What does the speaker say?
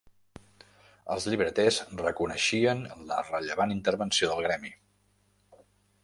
Els llibreters reconeixien la rellevant intervenció del gremi.